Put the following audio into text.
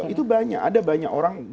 itu banyak ada banyak orang